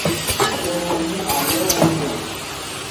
Yovogbu amewo don.